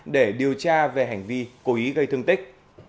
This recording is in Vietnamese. để điều tra về hành vi cố ý gây thương tích